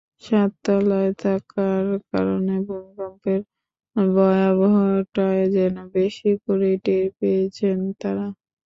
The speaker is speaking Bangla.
সাততলায় থাকার কারণে ভূমিকম্পের ভয়াবহতাটা যেন বেশি করেই টের পেয়েছেন তাঁরা।